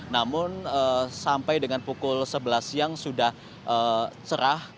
namun sampai dengan pukul sebelas siang sudah cerah